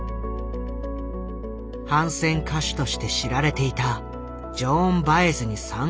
反戦歌手として知られていたジョーン・バエズに参加を呼びかけ